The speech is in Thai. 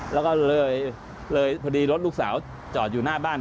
แล้วก็เลยพอดีรถลูกสาวจอดอยู่หน้าบ้าน